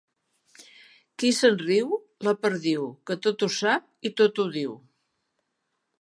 Qui se'n riu? La perdiu, que tot ho sap i tot ho diu.